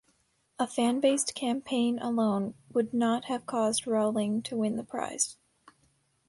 A fan-based campaign alone would not have caused Rowling to win the prize.